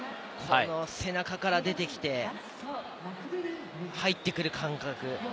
背中から出てきて入ってくる感覚。